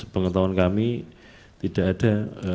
pengetahuan kami tidak ada